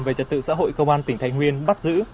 về trật tự xã hội công an tỉnh thái nguyên bắt giữ